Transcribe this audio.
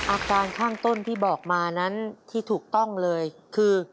อาการข้างต้นที่บอกมานั้นที่ถูกต้องเลยคือ